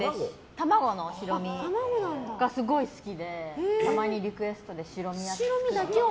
卵の白身がすごい好きでたまにリクエストで白身焼きを。